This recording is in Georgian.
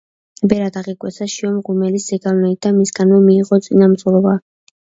ბერად აღიკვეცა შიო მღვიმელის ზეგავლენით და მისგანვე მიიღო წინამძღვრობა.